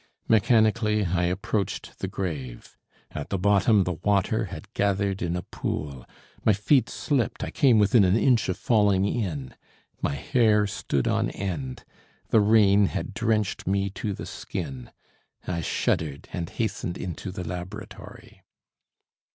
Mechanically I approached the grave. At the bottom the water had gathered in a pool; my feet slipped; I came within an inch of falling in. My hair stood on end. The rain had drenched me to the skin. I shuddered and hastened into the laboratory.